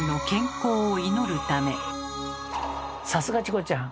さすがチコちゃん！